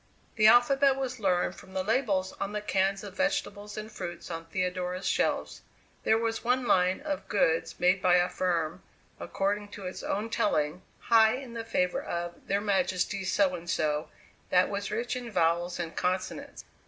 The alphabet was learned from the labels on the cans of vegetables and fruits on Theodora's shelves. There was one line of goods made by a firm, according to its own telling, high in the favour of "their Majesties So and So," that was rich in vowels and consonants.